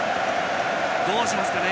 どうしますかね？